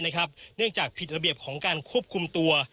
เนื่องจากผิดระเบียบของการควบคุมตัว